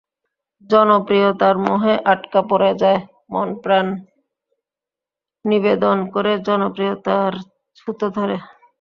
জনপ্রিয়তার মোহে আটকা পড়ে যায়, মন-প্রাণ নিবেদন করে জনপ্রিয়তার ছুতো ধরে।